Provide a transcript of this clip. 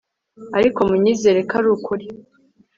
ariko munyizere ko arukuri